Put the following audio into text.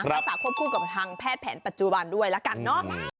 รักษาควบคู่กับทางแพทย์แผนปัจจุบันด้วยละกันเนอะ